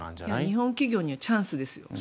日本企業にしたらチャンスですよね。